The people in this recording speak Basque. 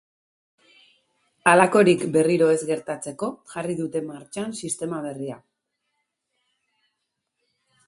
Halakorik berriro ez gertatzeko jarri dute martxan sistema berria.